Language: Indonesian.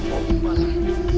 kamu memandai padu